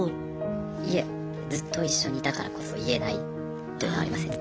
いえずっと一緒にいたからこそ言えないというのはありますよね。